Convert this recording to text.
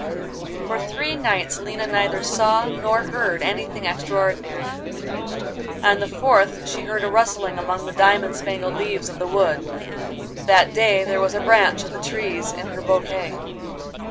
For three nights Lina neither saw nor heard anything extraordinary; on the fourth she heard a rustling among the diamond spangled leaves of the wood. That day there was a branch of the trees in her bouquet.